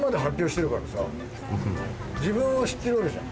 自分は知ってるわけじゃん。